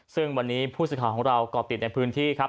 ซึ่งวันนี้ผู้สื่อข่าวของเราก่อติดในพื้นที่ครับ